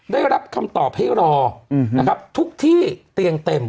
ได้รับคำตอบให้รอนะครับทุกที่เตียงเต็ม